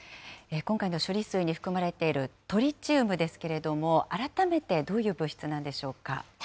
今回の処理水に含まれているトリチウムですけれども、改めてどういう物質なんでしょうか。